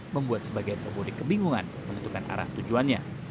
membuat sebagian pemudik kebingungan menentukan arah tujuannya